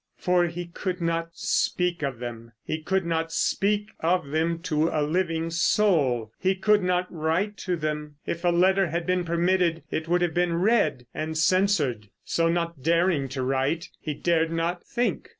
For he could not speak of them. He could not speak of them to a living soul. He could not write to them. If a letter had been permitted it would have been read and censored. So, not daring to write, he dared not think.